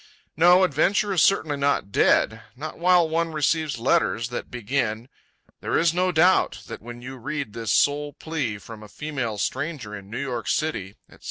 No, adventure is certainly not dead—not while one receives letters that begin: "There is no doubt that when you read this soul plea from a female stranger in New York City," etc.